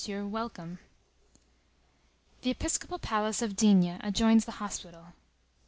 WELCOME The episcopal palace of D—— adjoins the hospital.